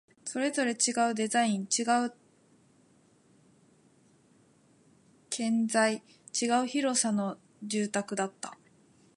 それぞれ違うデザイン、違う建材、違う広さの住宅だった